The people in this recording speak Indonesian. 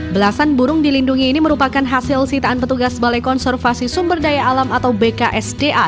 belasan burung dilindungi ini merupakan hasil sitaan petugas balai konservasi sumber daya alam atau bksda